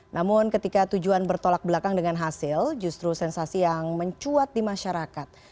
namun ketika tujuan bertolak belakang dengan hasil justru sensasi yang mencuat di masyarakat